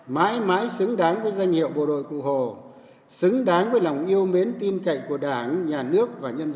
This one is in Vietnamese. mãi mãi xứng đáng với danh hiệu bộ đội cụ hồ xứng đáng với lòng yêu mến tin cậy của đảng nhà nước và nhân dân